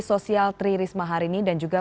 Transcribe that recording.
sosial tri risma harini dan juga